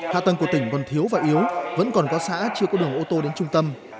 hạ tầng của tỉnh còn thiếu và yếu vẫn còn có xã chưa có đường ô tô đến trung tâm